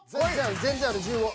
全然ある１５。